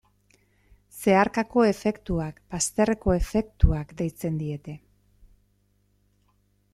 Zeharkako efektuak, bazterreko efektuak, deitzen diete.